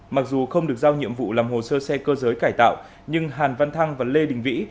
mặc dù không được giao nhiệm vụ làm hồ sơ xe cơ giới cải tạo nhưng hàn văn thăng và lê đình vĩ